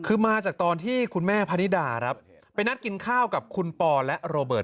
คือมาจากตอนที่คุณแม่พนิดาครับไปนัดกินข้าวกับคุณปอและโรเบิร์ต